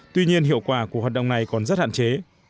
tuy nhiên hiệu quả của hoạt động này còn rất hạn chế